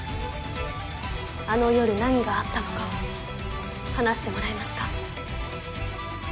あの夜何があったのか話してもらえますか？